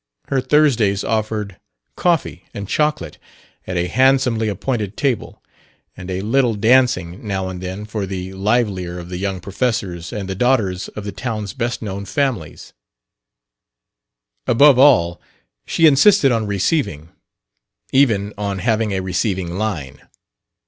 Her Thursdays offered coffee and chocolate at a handsomely appointed table, and a little dancing, now and then, for the livelier of the young professors and the daughters of the town's best known families; above all, she insisted on "receiving" even on having a "receiving line."